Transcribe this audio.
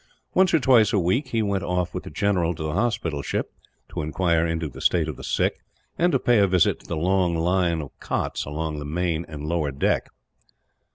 Once or twice a week, he went off with the general to the hospital ship, to inquire into the state of the sick and to pay a visit to the long line of cots along the main and lower deck.